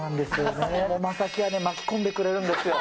もう将暉は、巻き込んでくれるんですよ。